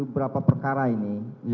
berapa perkara ini